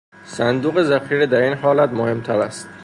صندوق ذخیره در این حالت مهم تر است.